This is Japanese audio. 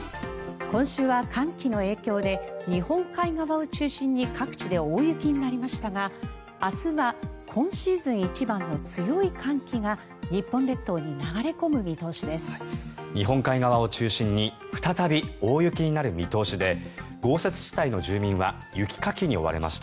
今週は寒気の影響で日本海側を中心に各地で大雪になりましたが明日は今シーズン一番の強い寒気が日本列島に流れ込む見通しです。